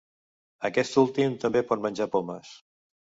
Aquest últim també pot menjar pomes.